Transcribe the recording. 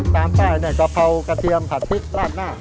ตามป้ายกะเภากระเทียมผัดพริกกล้าดน้า